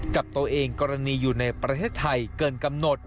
จับตัวเองกรณีอยู่ในประเทศไทยเกินกำหนด